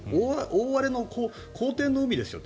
大荒れの荒天の海ですよ。